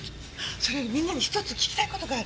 それよりみんなに１つ聞きたい事がある。